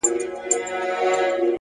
علم د پرمختګ اصلي محرک دی,